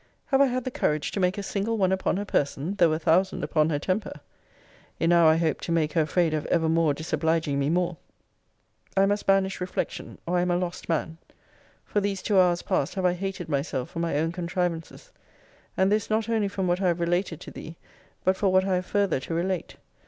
Have I had the courage to make a single one upon her person, though a thousand upon her temper? Enow, I hope, to make her afraid of ever more disobliging me more! I must banish reflection, or I am a lost man. For these two hours past have I hated myself for my own contrivances. And this not only from what I have related to thee; but for what I have further to relate.